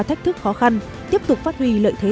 thách thức khó khăn tiếp tục phát huy lợi thế